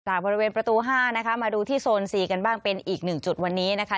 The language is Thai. บริเวณประตู๕นะคะมาดูที่โซนซีกันบ้างเป็นอีกหนึ่งจุดวันนี้นะคะ